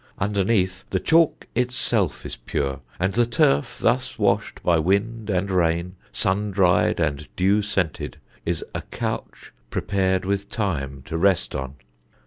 Underneath the chalk itself is pure, and the turf thus washed by wind and rain, sun dried and dew scented, is a couch prepared with thyme to rest on.